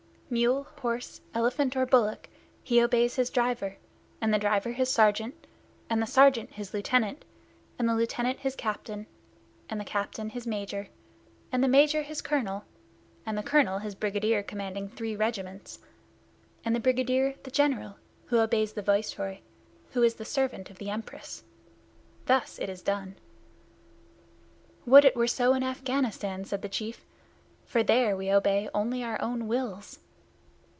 Mule, horse, elephant, or bullock, he obeys his driver, and the driver his sergeant, and the sergeant his lieutenant, and the lieutenant his captain, and the captain his major, and the major his colonel, and the colonel his brigadier commanding three regiments, and the brigadier the general, who obeys the Viceroy, who is the servant of the Empress. Thus it is done." "Would it were so in Afghanistan!" said the chief, "for there we obey only our own wills."